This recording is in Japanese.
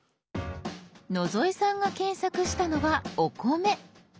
野添さんが検索したのは「お米」。